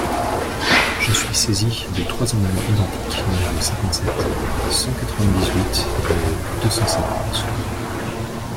Je suis saisi de trois amendements identiques, numéros cinquante-sept, cent quatre-vingt-dix-huit et deux cent cinquante.